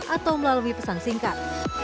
atau melalui pesan singkat